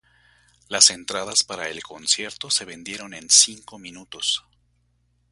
Las entradas para el concierto se vendieron en cinco minutos.